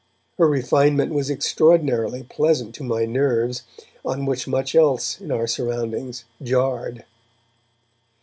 Her refinement was extraordinarily pleasant to my nerves, on which much else in our surroundings jarred.